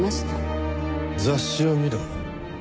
「雑誌を見ろ」。